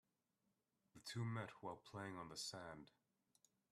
The two met while playing on the sand.